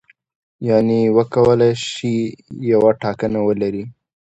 یعنې وکولای شي یوه ټاکنه ولري.